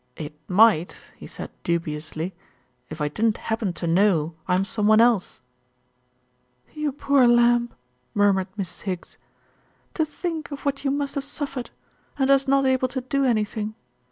"It might," he said dubiously, "if I didn't happen to know I'm some one else." "You poor lamb," murmured Mrs. Higgs. "To think of what you must have suffered, and us not able to do anything.